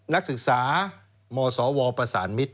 นักศึกษามศวประสานมิตร